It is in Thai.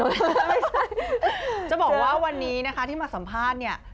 ไม่ใช่จะบอกว่าวันนี้นะคะที่มาสัมภาษณ์เนี่ย